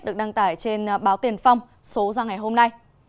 được đăng tải trên báo tiền phong số ra ngày hôm nay